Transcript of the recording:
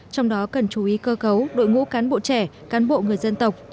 trong đó cần chú ý cơ cấu đội ngũ cán bộ trẻ cán bộ người dân tộc